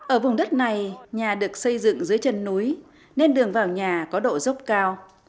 ở vùng đất này nhà được xây dựng dưới chân núi nên đường vào nhà có độ dốc cao